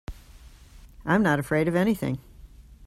I'm not afraid of anything.